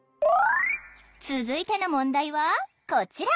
続いての問題はこちら。